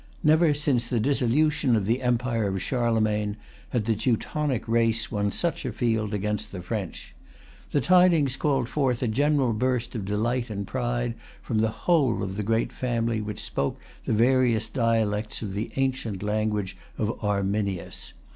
Never since the dissolution of the empire of Charlemagne had the Teutonic race won such a field against the French. The tidings called forth a general burst of delight and pride from the whole of the great family which spoke the various dialects of the ancient language of Arminius.